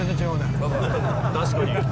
確かに。